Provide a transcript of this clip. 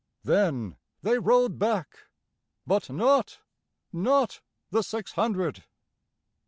Then they rode back, but notNot the six hundred.